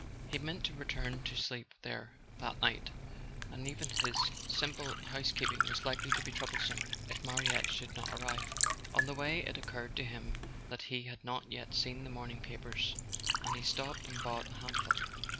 He meant to return to sleep there that night, and even his simple house [ 101 ] A SON AT THE FRONT keeping was likely to be troublesome if Mariette should not arrive. On the way it occurred to him that he had not yet seen the morning papers, and he stopped and bought a handful.